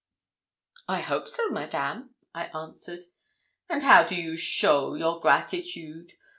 'I hope so, Madame,' I answered. 'And how do you show your gratitude?